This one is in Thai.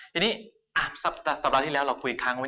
ทีนี้สัปดาห์ที่แล้วเราคุยอีกครั้งว่า